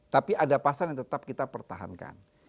tapi ada pasal yang tetap kita pertahankan